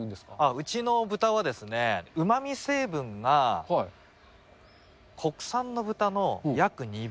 うちの豚はですね、うまみ成分が国産の豚の約２倍。